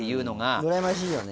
うらやましいよね。